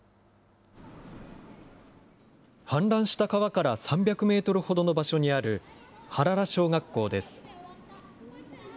氾濫した川から３００メートルほどの場所にある原良小学校です。